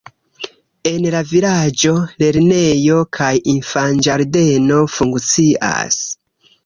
En la vilaĝo lernejo kaj infanĝardeno funkcias.